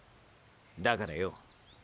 だからよ